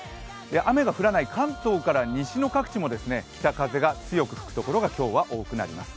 雨が降らない関東から西の各地も北風が強く吹くところが今日は多くなります。